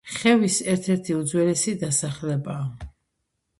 ხევის ერთ-ერთი უძველესი დასახლებაა.